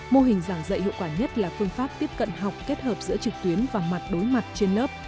mô hình giảng dạy hiệu quả nhất là phương pháp tiếp cận học kết hợp giữa trực tuyến và mặt đối mặt trên lớp